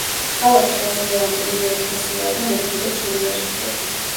ქალაქში ასევე რამდენიმე ეკლესიაა და მოქმედებს უნივერსიტეტი.